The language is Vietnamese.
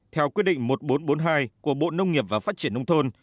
theo quyết định một nghìn bốn trăm bốn mươi hai của bộ nông nghiệp và phát triển nông thôn